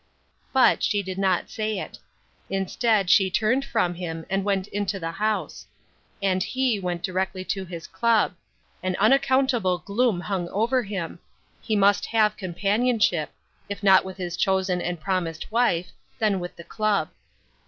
But she did not say it. Instead, she turned from him and went into the house; and he went directly to his club: an unaccountable gloom hung over him; he must have companionship; if not with his chosen and promised wife, then with the club.